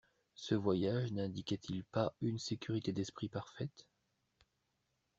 Ce voyage n'indiquait-il pas une sécurité d'esprit parfaite?